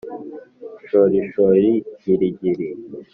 shorishori girigiri